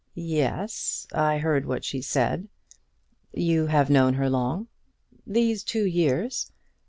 "Yes; I heard what she said. You have known her long?" "These two years."